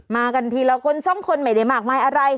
มากันทีละคนสองคนไม่ได้มากมายอะไร